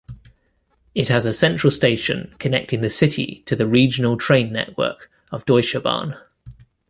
It has a central station, connecting the city to the regional-train-network of Deutsche Bahn.